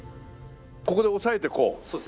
ここで押さえてこう？